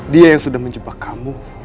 dia yang sudah menjebak kamu